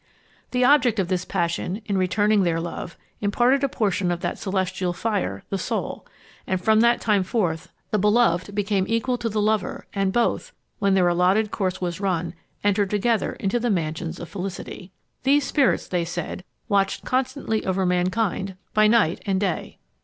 The object of this passion, in returning their love, imparted a portion of that celestial fire, the soul; and from that time forth the beloved became equal to the lover, and both, when their allotted course was run, entered together into the mansions of felicity. These spirits, they said, watched constantly over mankind by night and day.